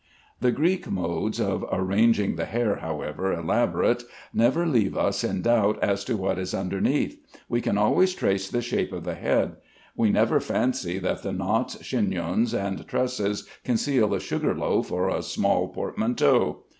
The Greek modes of arranging the hair, however elaborate, never leave us in doubt as to what is underneath. We can always trace the shape of the head. We never fancy that the knots, chignons, and tresses conceal a sugar loaf or a small portmanteau.